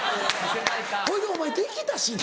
ほいでお前できたしな。